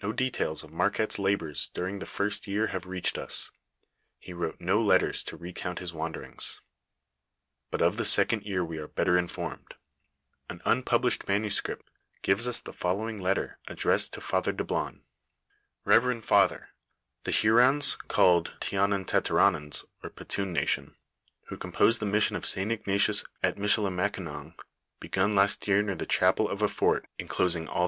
No details of Marquette's labors during the first year have reached us ; he wrote no letters to recount his wanderings,* but of the second year we are better informed. An unpub lished manuscript gives us the following letter addressed to Father Dablon :—" Rev. Father :— "The Hurons, called Tionnontateronnons or Petun nation, who compose the mission of St. Ignatius at Michiliinakinong began last year near the chapel a fort enclosing all their •